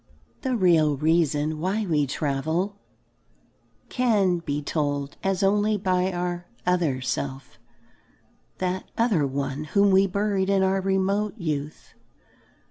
The real reason why we travel can be told us only by our "other self," that "other one" whom we buried in our remote youth.